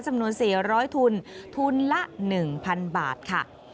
จำนวน๔๐๐ทุนทุนละ๑๐๐๐บาทค่ะ